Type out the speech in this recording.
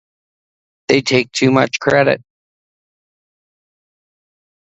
They take too much credit.